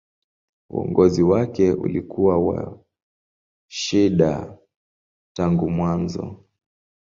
Uongozi wake ulikuwa wa shida tangu mwanzo.